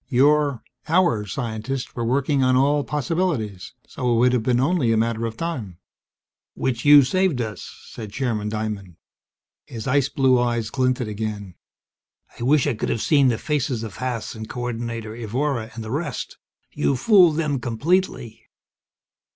Your our scientists were working on all possibilities, so it would have been only a matter of time." "Which you have saved us," said Chairman Diamond. His ice blue eyes glinted again. "I wish I could have seen the faces of Haas and Co ordinator Evora, and the rest. You fooled them completely!"